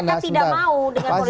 dengan politik dinasti di indonesia